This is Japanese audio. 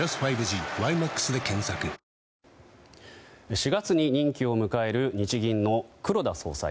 ４月に任期を迎える日銀の黒田総裁。